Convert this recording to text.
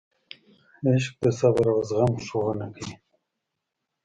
عشق د صبر او زغم ښوونه کوي.